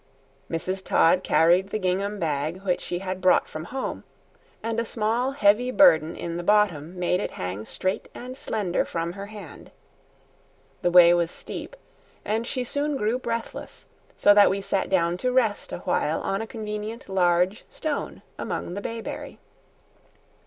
Mrs. Todd carried the gingham bag which she had brought from home, and a small heavy burden in the bottom made it hang straight and slender from her hand. The way was steep, and she soon grew breathless, so that we sat down to rest awhile on a convenient large stone among the bayberry.